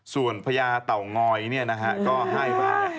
ส่วนพระยาเต่างอยเนี่ยนะฮะก็๕บาท